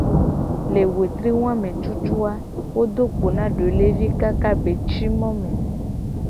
Le wetri wa me tutu a, wo do kpo doelevi le ajido kaka be ci mo me .